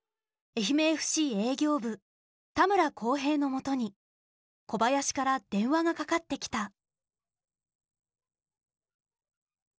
愛媛ＦＣ営業部田村光平のもとに小林から電話がかかってきた。